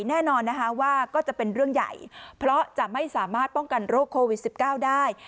แน่นอนนะคะว่าก็จะเป็นเรื่องใหญ่เพราะจะไม่สามารถป้องกันโรคโควิด๑๙ได้